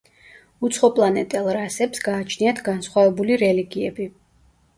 უცხოპლანეტელ რასებს გააჩნიათ განსხვავებული რელიგიები.